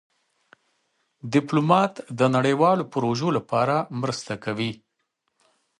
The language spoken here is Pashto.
ډيپلومات د نړیوالو پروژو لپاره مرسته کوي.